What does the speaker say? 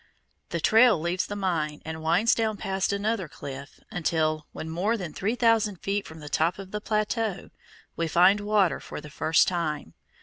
The trail leaves the mine and winds down past another cliff, until, when more than three thousand feet from the top of the plateau, we find water for the first time.